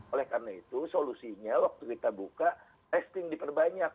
oleh karena itu solusinya waktu kita buka testing diperbanyak